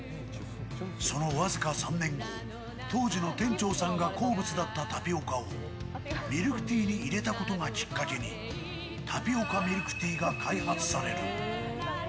その僅か３年後、当時の店長さんが好物だったタピオカをミルクティーに入れたことがきっかけでタピオカミルクティーが開発される。